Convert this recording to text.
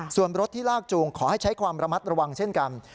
ส่วนรถที่ลากจูงขอให้ใช้ความระมัดระวังเช่นกัน